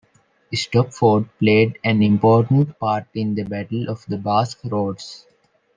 Stopford played an important part in the Battle of the Basque Roads.